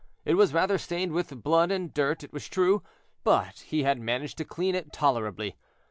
It was rather stained with blood and dirt, it was true, but he had managed to clean it tolerably.